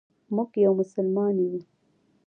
موږ یو مسلمان یو.